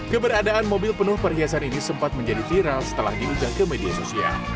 keberadaan mobil penuh perhiasan ini sempat menjadi viral setelah diunggah ke media sosial